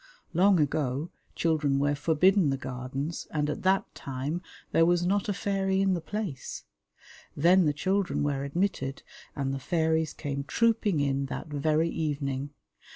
Long ago children were forbidden the Gardens, and at that time there was not a fairy in the place; then the children were admitted, and the fairies came trooping in that very evening.